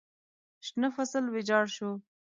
شنه فصل ویجاړ شو.